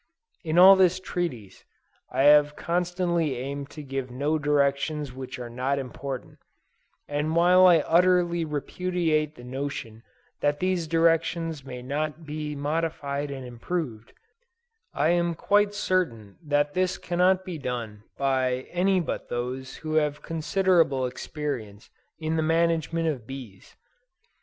In all this treatise, I have constantly aimed to give no directions which are not important; and while I utterly repudiate the notion that these directions may not be modified and improved, I am quite certain that this cannot be done by any but those who have considerable experience in the management of bees.